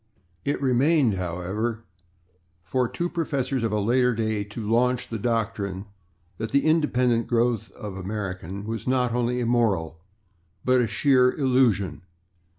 It remained, however, for two professors of a later day to launch the doctrine that the independent growth of American was not only immoral, but a sheer illusion.